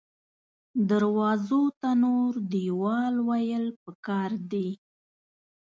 دروازو ته نور دیوال ویل پکار دې